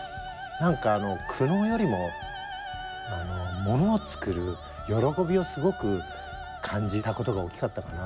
なんかあの苦悩よりもあのものをつくる喜びをすごく感じたことが大きかったかな。